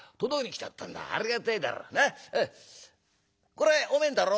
これお前んだろ。